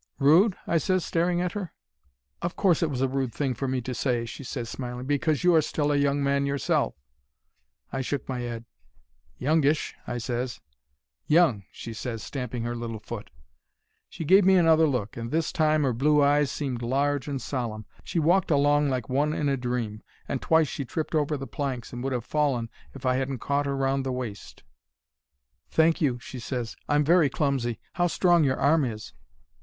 "'Rude?' I ses, staring at her. "'Of course it was a rude thing for me to say,' she ses, smiling; 'because you are still a young man yourself.' "I shook my 'ead. 'Youngish,' I ses. "'Young!' she ses, stamping 'er little foot. "She gave me another look, and this time 'er blue eyes seemed large and solemn. She walked along like one in a dream, and twice she tripped over the planks and would 'ave fallen if I hadn't caught 'er round the waist. "'Thank you,' she ses. 'I'm very clumsy. How strong your arm is!'